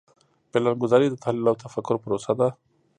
پلانګذاري د تحلیل او تفکر پروسه ده.